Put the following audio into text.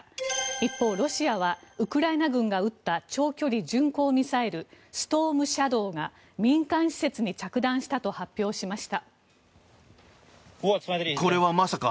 一方、ロシアはウクライナ軍が撃った長距離巡航ミサイルストームシャドーが民間施設に着弾したと発表しました。